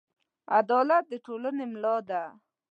عدالت د ټولنې ملا ده.